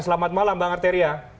selamat malam bang arteria